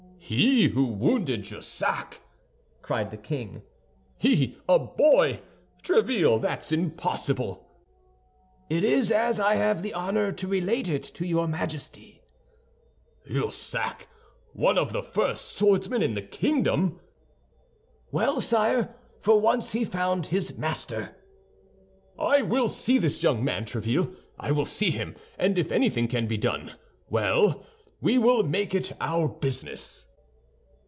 "He who wounded Jussac!" cried the king, "he, a boy! Tréville, that's impossible!" "It is as I have the honor to relate it to your Majesty." "Jussac, one of the first swordsmen in the kingdom?" "Well, sire, for once he found his master." "I will see this young man, Tréville—I will see him; and if anything can be done—well, we will make it our business."